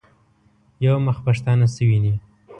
یو مخ پښتانه شوي دي.